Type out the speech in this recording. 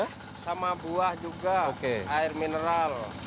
sama buah juga air mineral